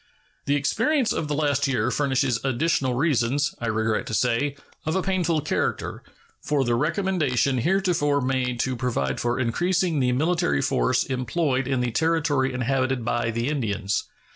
The experience of the last year furnishes additional reasons, I regret to say, of a painful character, for the recommendation heretofore made to provide for increasing the military force employed in the Territory inhabited by the Indians.